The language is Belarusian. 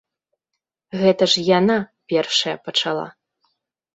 Гэта ж яна першая пачала.